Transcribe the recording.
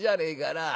なあ。